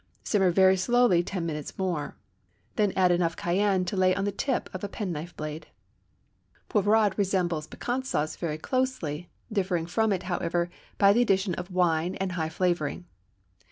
Simmer very slowly ten minutes more; then add enough cayenne to lay on the tip of a penknife blade. Poivrade resembles piquante sauce very closely, differing from it, however, by the addition of wine and higher flavoring.